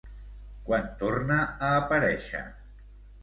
Quan torna a aparèixer?